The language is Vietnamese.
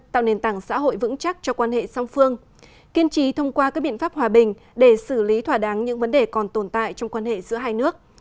tạo nền tảng xã hội vững chắc cho quan hệ song phương kiên trí thông qua các biện pháp hòa bình để xử lý thỏa đáng những vấn đề còn tồn tại trong quan hệ giữa hai nước